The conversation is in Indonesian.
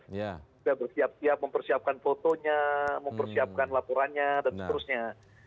sudah bersiap siap mempersiapkan fotonya mempersiapkan laporannya dan seterusnya